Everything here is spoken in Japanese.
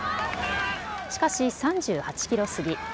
しかし３８キロ過ぎ。